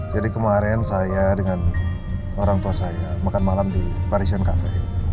jadi kemarin saya dengan orang tua saya makan malam di parisian cafe